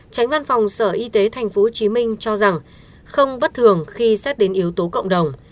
tránh văn phòng sở y tế tp hcm cho rằng không bất thường khi xét đến yếu tố cộng đồng